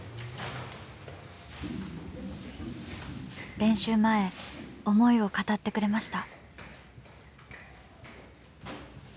練習前思いを語ってくれました。